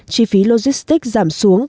chi phí logistic giảm xuống